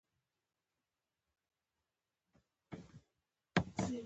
په شتون د يوه نړی شکرانې بې له تا موږ هيڅ يو ❤️